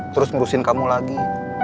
terus ngurusin kamu lagi